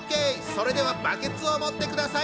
それではバケツを持ってください。